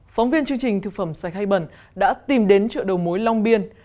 phóng viên chương trình thực phẩm sạch hay bẩn đã tìm đến chợ đầu mối long biên